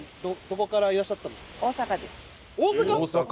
大阪！？